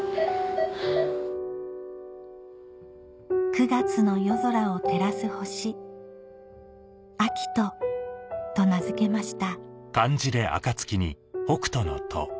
９月の夜空を照らす星と名付けました